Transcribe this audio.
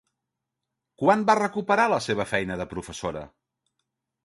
Quan va recuperar la seva feina de professora?